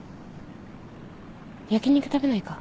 焼き肉食べないか？